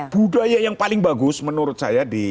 budaya yang paling bagus menurut saya di